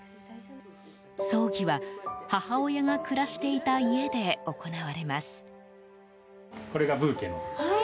葬儀は、母親が暮らしていた家で行われます。